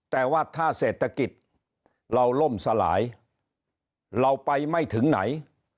แต่ว่าถ้าเศรษฐกิจเราล่มสลายเราไปไม่ถึงไหน